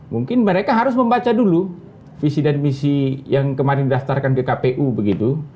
mungkin mereka harus membaca dulu visi dan misi yang kemarin didaftarkan ke kpu begitu